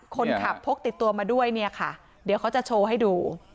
คนขับพกติดตัวมาด้วยเนี่ยค่ะเดี๋ยวเขาจะโชว์ให้ดู